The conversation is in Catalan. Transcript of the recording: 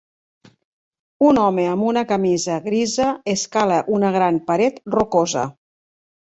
Un home amb una camisa grisa escala una gran paret rocosa.